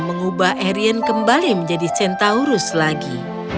mengubah erien kembali menjadi centaurus lagi